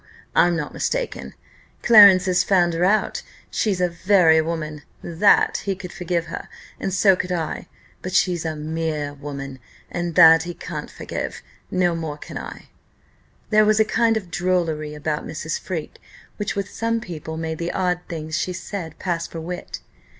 I'm not mistaken; Clarence has found her out. She's a very woman that he could forgive her, and so could I; but she's a mere woman and that he can't forgive no more can I." There was a kind of drollery about Mrs. Freke, which, with some people, made the odd things she said pass for wit.